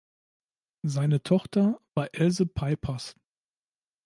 Seine Tochter war Else Peipers.